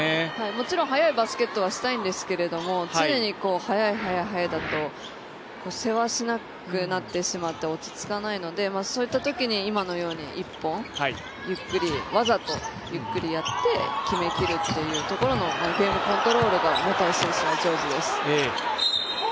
もちろん速いバスケットはしたいんですけど常に速い、速い、速いだとせわしなくなってしまって落ち着かないのでそういったときに、今のように１本わざとゆっくりやって決めきるというところのゲームコントロールが、本橋選手は上手です。